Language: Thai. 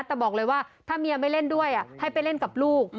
แต่บอกเลยว่าถ้าเมียไม่เล่นด้วยให้ไปเล่นกับลูก